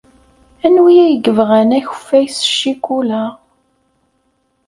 Anwi ay yebɣan akeffay s ccikula?